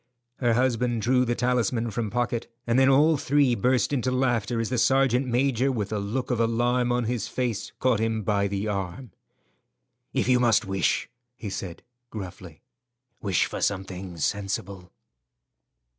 Her husband drew the talisman from pocket, and then all three burst into laughter as the sergeant major, with a look of alarm on his face, caught him by the arm. "If you must wish," he said, gruffly, "wish for something sensible."